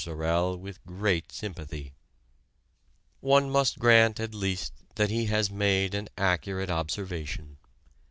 Sorel with great sympathy. One must grant at least that he has made an accurate observation.